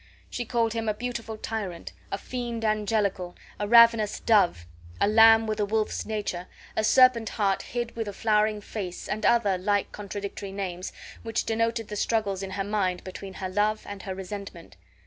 She called him a beautiful tyrant, a fiend angelical, a ravenous dove, a lamb with a wolf's nature, a serpent heart hid with a flowering face, and other, like contradictory names, which denoted the struggles in her mind between her love and her resentment.